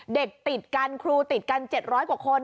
ติดกันครูติดกัน๗๐๐กว่าคน